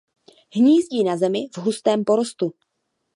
Hnízdí na zemi v hustém porostu.